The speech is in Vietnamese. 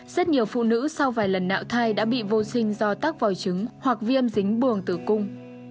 rất nhiều phụ nữ sau vài lần nạo thai đã bị vô sinh do tắc vòi trứng hoặc viêm dính buồng tử cung